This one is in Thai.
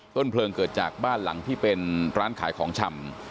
ต้นเพลิงเกิดจากบ้านหลังที่เป็นร้านขายของชำ